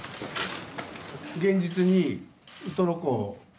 現実にウトロ港